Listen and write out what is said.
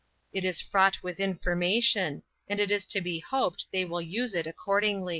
It is fraught with information; and it is to be hoped they will use it accordingly.